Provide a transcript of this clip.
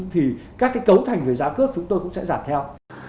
thì các cái cấu thành về giá cước chúng tôi cũng sẽ giảm theo